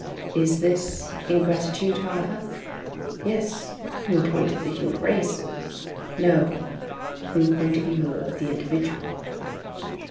Is this ingratitude, however? Yes, from the point of view of the human race. No, from the point of view of the individual.